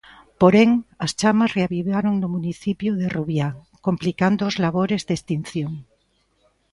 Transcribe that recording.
Porén, as chamas reavivaron no municipio de Rubiá, complicando os labores de extinción.